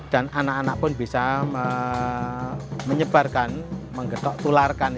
dan anak anak pun bisa menyebarkan menggetok tularkan